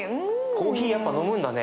コーヒーやっぱ飲むんだね。